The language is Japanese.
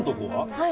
はい。